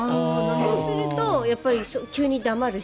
そうするとやっぱり急に黙るし。